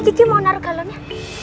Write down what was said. gigi mau naruh kalonnya